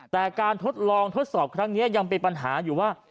แต่การทดลองทดสอบครั้งนี้ยังเป็นปัญหาอยู่ว่า